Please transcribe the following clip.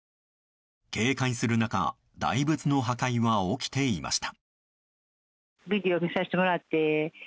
警戒する中大仏の破壊は起きていました。